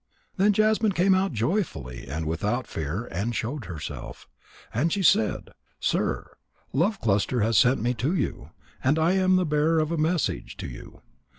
Then Jasmine came out joyfully and without fear and showed herself. And she said: "Sir, Love cluster has sent me to you, and I am the bearer of a message to you.